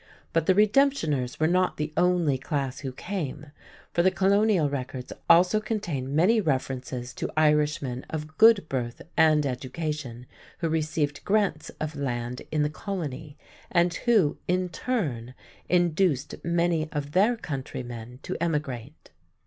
But the redemptioners were not the only class who came, for the colonial records also contain many references to Irishmen of good birth and education who received grants of land in the colony and who, in turn, induced many of their countrymen to emigrate.